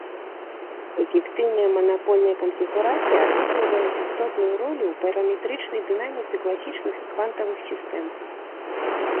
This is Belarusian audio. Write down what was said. Эфектыўныя манапольныя канфігурацыі адыгрываюць істотную ролю ў параметрычнай дынаміцы класічных і квантавых сістэм.